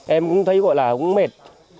em cũng thấy gọi là cũng mệt